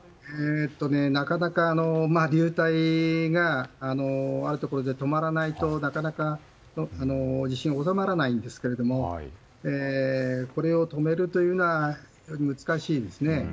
なかなか流体があるところで止まらないとなかなか地震は収まらないんですがこれを止めるというのは難しいですね。